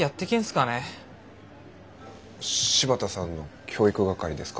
柴田さんの教育係ですか？